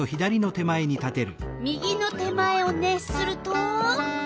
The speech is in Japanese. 右の手前を熱すると？